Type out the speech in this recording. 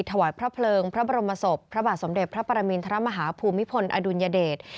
ถวายพระเพลิงพระบรมศพพระบาทสมเด็จพระปรมินทรมาฮาภูมิพลอดุลยเดช